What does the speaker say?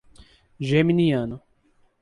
Geminiano